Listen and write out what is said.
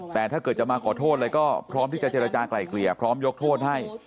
แต่ถ้าเกิดจะมาขอโทษอะไรก็พร้อมที่จะเจรจากลายเกลี่ยพร้อมยกโทษให้